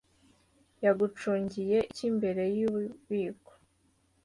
yacunguye iki mbere yububiko